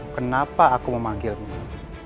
kenapa aku memanggilmu